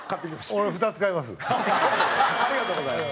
俺、２つ買います。